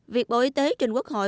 việc bộ y tế trên quốc hội